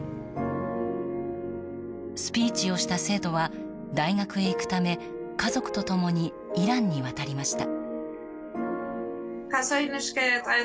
スピーチをした生徒は大学へ行くため家族と共にイランに渡りました。